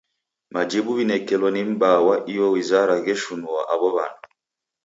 Majibu ghinekelo ni m'baa wa iyo wizara gheshinua aw'o w'andu.